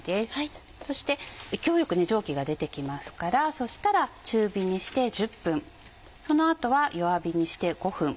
そして勢いよく蒸気が出てきますからそしたら中火にして１０分その後は弱火にして５分。